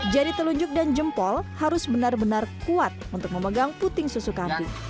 jari telunjuk dan jempol harus benar benar kuat untuk memegang puting susu kambing